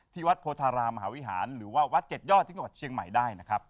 วัดโพธารามหาวิหารหรือว่าวัดเจ็ดยอดที่จังหวัดเชียงใหม่ได้นะครับ